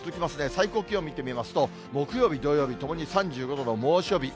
最高気温見てみますと、木曜日、土曜日、ともに３５度の猛暑日。